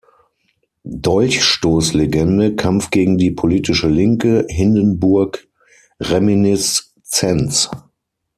Dolchstoßlegende, Kampf gegen die politische Linke, „Hindenburg-Reminiszenz“.